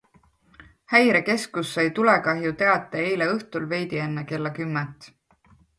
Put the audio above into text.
Häirekeskus sai tulekahjuteate eile õhtul veidi enne kella kümmet.